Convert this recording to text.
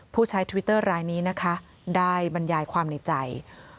ใช้ทวิตเตอร์รายนี้นะคะได้บรรยายความในใจ